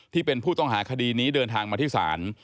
ที่เป็นผู้ต้องหาคดีนี้เดินทางมาที่ศาล